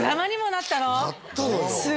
なったのよ